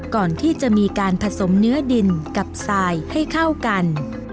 ก่อนที่จะมีการผสมเนื้อดินกับทรายให้เข้ากัน